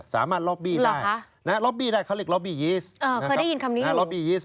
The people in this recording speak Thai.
สามารถล็อบบี้ได้ล็อบบี้ได้เขาเรียกล็อบบี้ยีสต์นะครับล็อบบี้ยีสต์